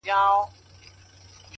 گراني بس څو ورځي لاصبر وكړه ـ